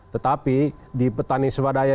tetapi di petani swadaya